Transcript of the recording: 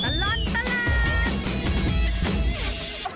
ช่วงตลอดตลอด